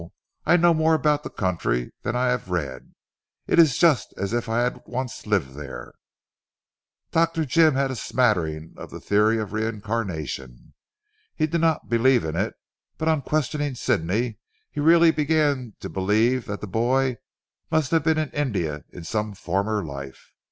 I know more about the country than I have read. It is just as if I had once lived there." Dr. Jim had a smattering of the theory of reincarnation. He did not believe in it, but on questioning Sidney he really began to believe that the boy must have been in India in some former life.